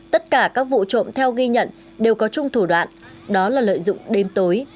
tất cả các vụ trộm theo ghi nhận đều có chung thủ đoạn đó là lợi dụng đêm tối